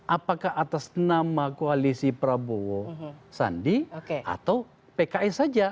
apakah atas nama koalisi prabowo sandi atau pks saja